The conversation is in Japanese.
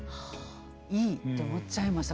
「いい」って思っちゃいました。